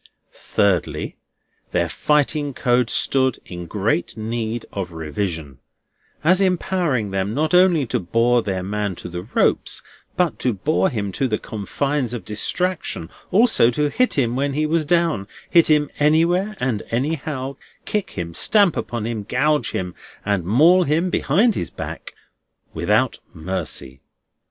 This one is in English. Thirdly, their fighting code stood in great need of revision, as empowering them not only to bore their man to the ropes, but to bore him to the confines of distraction; also to hit him when he was down, hit him anywhere and anyhow, kick him, stamp upon him, gouge him, and maul him behind his back without mercy.